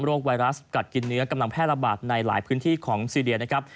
ไวรัสกัดกินเนื้อกำลังแพร่ระบาดในหลายพื้นที่ของซีเรียนะครับ